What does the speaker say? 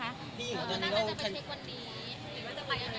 พี่หญิงก็ตั้งใจจะไปเทควันนี้หรือว่าจะไปยังไงคะ